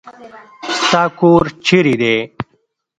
ستا کور چيري دی.